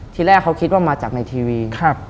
ทีแรกเขาคิดว่ามาจากในทีวี